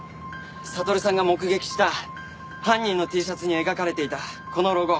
悟さんが目撃した犯人のＴシャツに描かれていたこのロゴ。